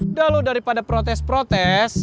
udah lo daripada protes protes